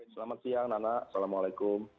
selamat siang nana assalamualaikum